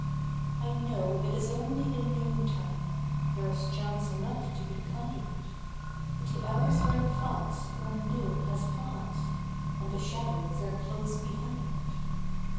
I know it is only the noontime— There is chance enough to be kind; But the hours run fast when noon has passed, And the shadows are close behind.